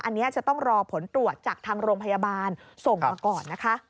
อันนี้จะต้องรอผลตรวจจากทางโรงพยาบาลส่งมาก่อนนะคะ